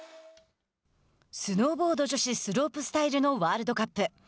スノーボード女子スロープスタイルのワールドカップ。